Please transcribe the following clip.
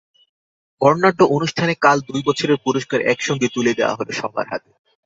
বর্ণাঢ্য অনুষ্ঠানে কাল দুই বছরের পুরস্কার একসঙ্গে তুলে দেওয়া হলো সবার হাতে।